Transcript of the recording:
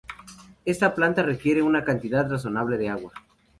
Esta planta requiere una cantidad razonable de agua.